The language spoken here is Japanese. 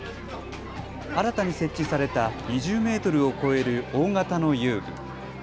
新たに設置された２０メートルを超える大型の遊具。